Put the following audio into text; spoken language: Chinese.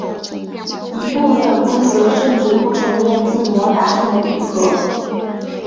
有一部分规则甚至不承认自摸达成的平和。